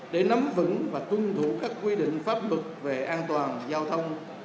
để nắm vững và tuân thủ các quy định pháp luật về an toàn giao thông